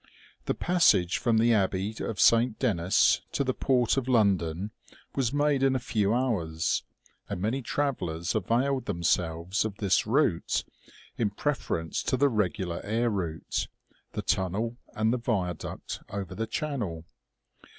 The passage from the abbey of Saint Denis to the port of London was made in a few hours, and many travellers availed themselves of this route, in preference to the regular air route, the tunnel, and the viaduct over the channel.